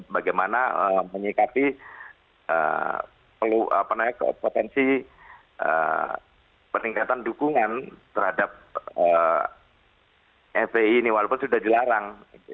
bagaimana menyikapi potensi peningkatan dukungan terhadap fpi ini walaupun sudah dilarang